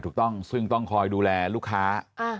ถูกต้องซึ่งต้องคอยดูแลลูกค้า